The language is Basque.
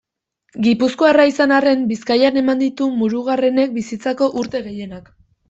Gipuzkoarra izan arren, Bizkaian eman ditu Murugarrenek bizitzako urte gehienak.